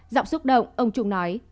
giọng xúc động ông trung nói